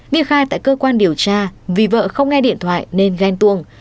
đi khai tại cơ quan điều tra vì vợ không nghe điện thoại nên ghen tuông